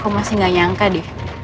aku masih gak nyangka deh